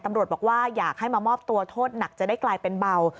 ตำรวจบอกว่าอยากให้มามอบตัวโทษหนักจะได้กลายเป็นเบา